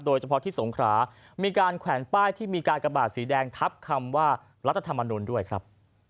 โดยเฉพาะที่สงขรามีการแขวนป้ายที่มีการกระบาดสีแดงทับคำว่ารัฐธรรมนุนด้วยครับ